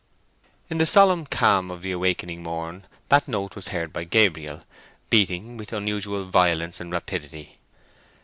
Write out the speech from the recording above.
In the solemn calm of the awakening morn that note was heard by Gabriel, beating with unusual violence and rapidity.